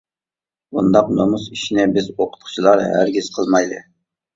بۇنداق نومۇس ئىشنى بىز ئوقۇتقۇچىلار ھەرگىز قىلمايلى.